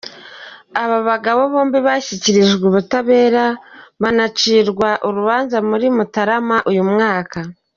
Aba bagabo bombi bashyikirijwe ubutabera banacirwa urubanza muri Mutarama uyu mwaka.